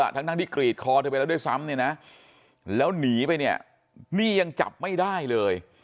ทั้งที่กรีดคอเธอไปแล้วด้วยซ้ำเนี่ยนะแล้วหนีไปเนี่ยนี่ยังจับไม่ได้เลย